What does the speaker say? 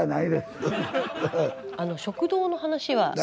あの食堂の話は？